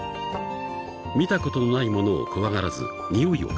［見たことのないものを怖がらずにおいを嗅いでいる］